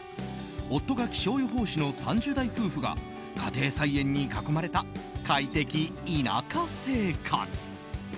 夫が気象予報士の３０代夫婦が家庭菜園に囲まれた快適田舎生活。